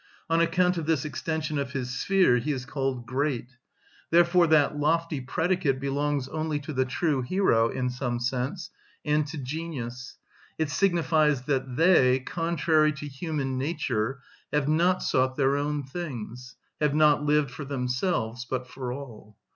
On account of this extension of his sphere he is called great. Therefore that lofty predicate belongs only to the true hero, in some sense, and to genius: it signifies that they, contrary to human nature, have not sought their own things, have not lived for themselves, but for all.